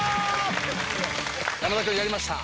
山田君やりました。